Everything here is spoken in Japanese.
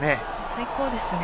最高ですね。